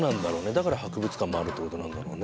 だから博物館もあるってことなんだろうね。